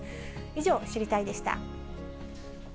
以上、知りたいッ！でした。